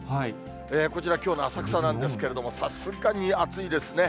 こちら、きょうの浅草なんですけれども、さすがに暑いですね。